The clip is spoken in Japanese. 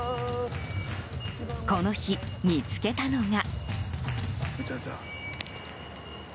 この日、見つけたのが。